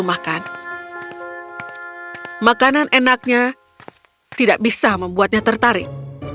dia mengambil makanan yang enaknya dan membuatnya tertarik